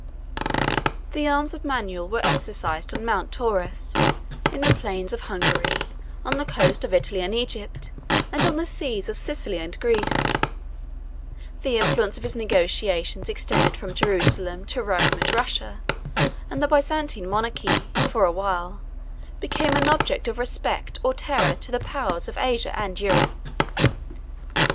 The arms of Manuel were exercised on Mount Taurus, in the plains of Hungary, on the coast of Italy and Egypt, and on the seas of Sicily and Greece: the influence of his negotiations extended from Jerusalem to Rome and Russia; and the Byzantine monarchy, for a while, became an object of respect or terror to the powers of Asia and Europe.